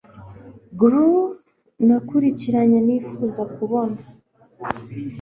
groove nakurikiranye, nifuza kubona